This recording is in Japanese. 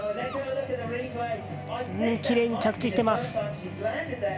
きれいに着地してます。